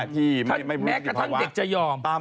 ที่ไม่รู้สิทธิภาวะ